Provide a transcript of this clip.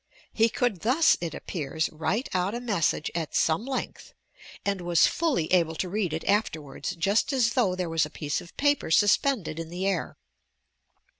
He could thus, it appears, write out a message at some length and was fully able to read it afterwards, just as though there was a piece of paper suspended in the air.